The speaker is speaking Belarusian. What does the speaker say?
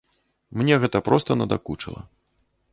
Мне гэта проста надакучыла.